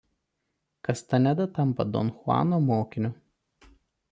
Kastaneda tampa don Chuano mokiniu.